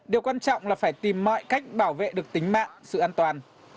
điều quan trọng là phải tìm mọi cách bảo vệ được tính mạng sự an toàn